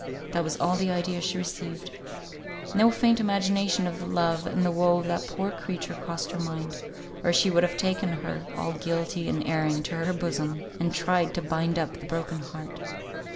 That was all the idea she received. No faint imagination of the love and the woe of that poor creature crossed her mind, or she would have taken her, all guilty and erring, to her bosom, and tried to bind up the broken heart.